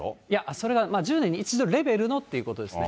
それが、１０年に一度レベルのということです。